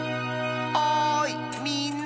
おいみんな！